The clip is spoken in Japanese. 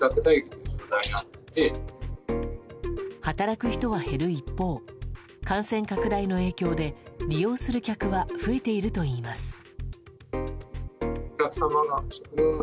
働く人は減る一方感染拡大の影響で利用する客は増えているといいます。